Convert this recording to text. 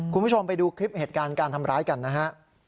คุณผู้ชมไปดูคลิปเหตุการณ์การทำร้ายกันนะฮะ